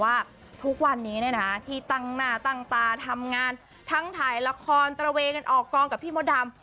ว่าทุกวันนี้ที่ตั้งหน้าตั้งตาทำงานทั้งถ่ายละครตระเวกันออกกองกับพี่มดดำ